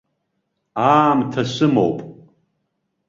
Аамҭа сымоуп.